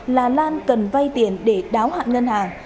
là lan cần vay tiền để đáo hạn ngân hàng